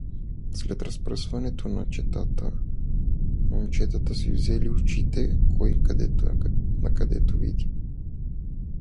След разпръсванието на четата момчетата си взели очите кой накъдето види.